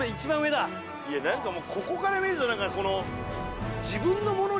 何かもうここから見ると何かこの。